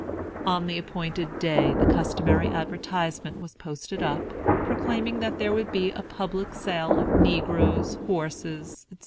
On the appointed day the customary advertisement was posted up, proclaiming that there would be "a public sale of negroes, horses, &c."